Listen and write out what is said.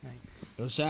よっしゃ。